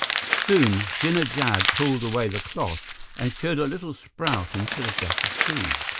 Soon Jinnah Jad pulled away the cloth and showed a little sprout instead of just a seed.